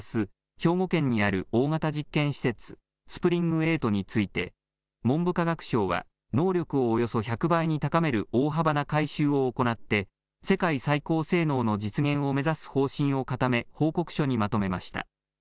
兵庫県にある大型実験施設、ＳＰｒｉｎｇ−８について文部科学省は能力をおよそ１００倍に高める大幅な改修を行って世界最高性能の実現を目指す方針を固め報告書にまとめました。